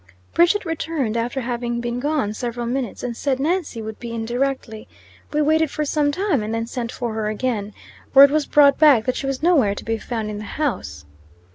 Bridget returned, after having been gone several minutes, and said Nancy would be in directly. We waited for some time, and then sent for her again. Word was brought back that she was nowhere to be found in the house.